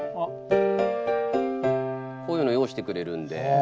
こういうのを用意してくれるんで。